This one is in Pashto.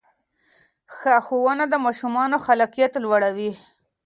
ښه ښوونه د ماشومانو خلاقیت لوړوي.